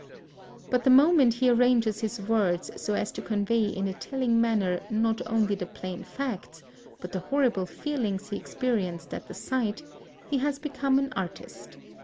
But the moment he arranges his words so as to convey in a telling manner not only the plain facts, but the horrible feelings he experienced at the sight, he has become an artist.